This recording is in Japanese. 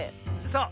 そう。